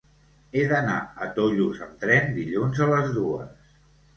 He d'anar a Tollos amb tren dilluns a les dues.